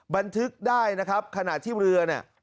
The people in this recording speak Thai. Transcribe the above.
บันทึกได้นะครับขณะที่เรือเนี่ย